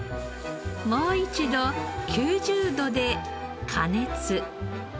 もう一度９０度で加熱。